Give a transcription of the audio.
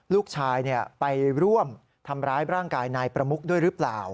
ลูกชายไปร่วมทำร้ายร่างกายนายประมุกด้วยหรือเปล่า